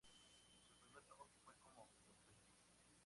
Su primer trabajo fue como conserje.